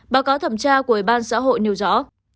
báo cáo thẩm tra của ủy ban xã hội nêu rõ